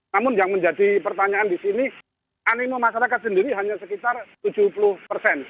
namun yang menjadi pertanyaan di sini animo masyarakat sendiri hanya sekitar tujuh puluh persen